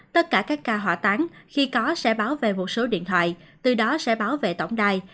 tất cả các ca hỏa tán khi có sẽ báo về một số điện thoại từ đó sẽ bảo vệ tổng đài